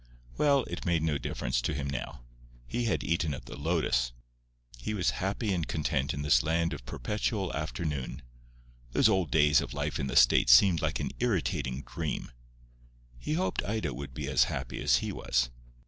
Well, it made no difference to him now. He had eaten of the lotus. He was happy and content in this land of perpetual afternoon. Those old days of life in the States seemed like an irritating dream. He hoped Ida would be as happy as he was.